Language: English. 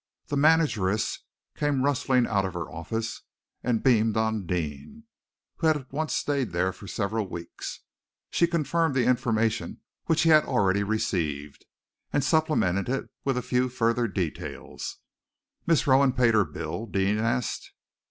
The manageress came rustling out of her office and beamed on Deane, who had once stayed there for several weeks. She confirmed the information which he had already received, and supplemented it with a few further details. "Miss Rowan paid her bill?" Deane asked.